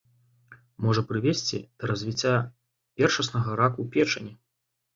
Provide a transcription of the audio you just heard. Можа прывесці да развіцця першаснага раку печані.